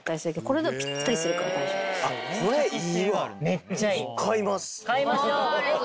めっちゃいい。